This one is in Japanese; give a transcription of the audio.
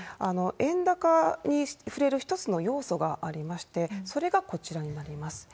円高に振れる一つの要素がありまして、それがこちらになります。